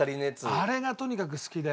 あれがとにかく好きで。